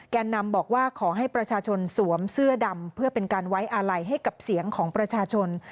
แก่นำบอกว่าขอให้ประชาชนสวมเสื้อดำเพื่อเป็นการไว้อาลัยให้กับเสียงของประชาชน